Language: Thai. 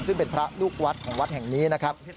ซึ่งเป็นพระลูกวัดของวัดแห่งนี้นะครับ